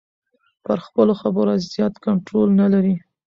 پر خپلو خبرو زیات کنټرول نلري.